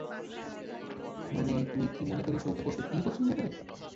মানে, তুই কি মনে করিস ও তোকে সত্যিই পছন্দ করে?